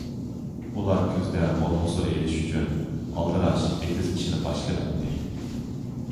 ئۇلار كۈزدە مول ھوسۇل ئېلىش ئۈچۈن ئالدىراش ئېتىز ئىشىنى باشلىۋەتتى.